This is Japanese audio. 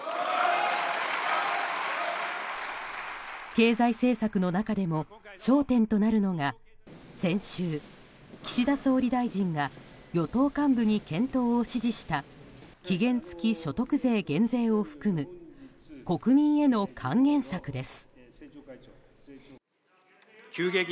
経済政策の中でも焦点となるのが先週、岸田総理大臣が与党幹部に検討を指示した期限付き所得税減税を含む国民への還元策です。